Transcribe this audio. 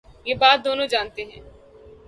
یہ بات دونوں جا نتے ہیں۔